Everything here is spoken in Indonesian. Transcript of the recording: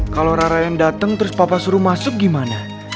kalo rara yang dateng terus papa suruh masuk gimana